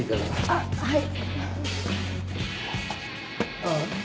あっはい。